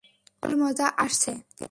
আসল মজা আসছে।